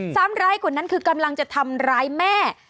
ซ้ำร้ายกว่านั้นคือกำลังจะทำร้ายแม่